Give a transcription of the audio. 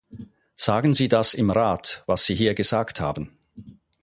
Sagen Sie das im Rat, was Sie hier gesagt haben.